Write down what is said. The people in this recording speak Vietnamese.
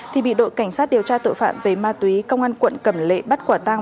thì bị đội cảnh sát điều tra tội phạm về ma túy công an quận cẩm lệ bắt quả tăng